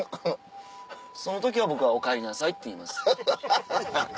その時は僕はおかえりなさいって言います。